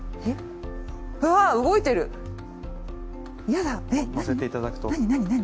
のせていただくと。